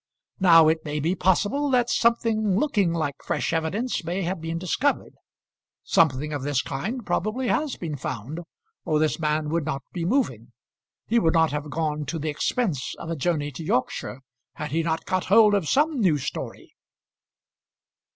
Now it may be possible that something looking like fresh evidence may have been discovered; something of this kind probably has been found, or this man would not be moving; he would not have gone to the expense of a journey to Yorkshire had he not got hold of some new story."